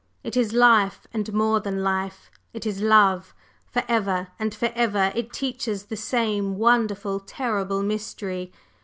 It is life, and more than life; it is love. Forever and forever it teaches the same wonderful, terrible mystery.